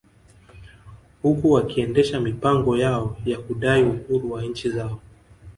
Huku wakiendesha mipango yao ya kudai uhuru wa nchi zao